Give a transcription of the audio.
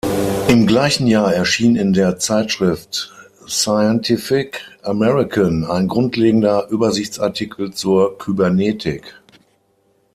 Im gleichen Jahr erschien in der Zeitschrift "Scientific American" ein grundlegender Übersichtsartikel zur Kybernetik.